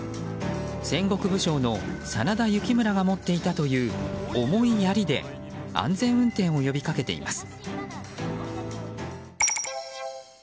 戦国武将の真田幸村が持っていたという重いヤリで安全運転を呼び掛けています。